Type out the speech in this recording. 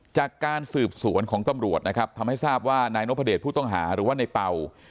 จากการสืบสวนของตำรวจนะครับทำให้ทราบว่านายนพเดชผู้ต้องหาหรือว่าในเป่า